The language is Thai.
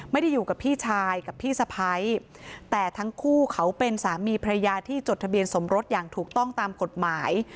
ไม่ได้อยู่กับพี่ชายกับพี่สะพ้ายแต่ทั้งคู่เขาเป็นสามีพระยาที่จดทะเบียนสมรสอย่างถูกต้องตามกฎหมาย